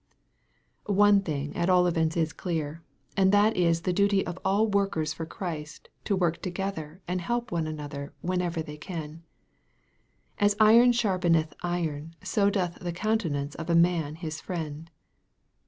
One thing at all events is clear, and that is the duty of all workers for Christ to work together and help one another whenever they can. "As iron sharpeneth iron, so doth the countenance of a man his friend."